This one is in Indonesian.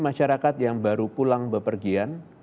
untuk masyarakat yang baru pulang berpergian